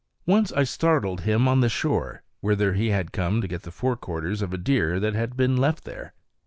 Once I startled him on the shore, whither he had come to get the fore quarters of a deer that had been left there.